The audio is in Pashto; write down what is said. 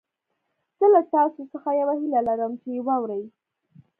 زه له تاسو څخه يوه هيله لرم چې يې واورئ.